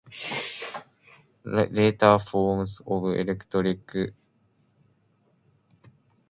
Later forms of electronic psychedelia also employed repetitive computer-generated beats.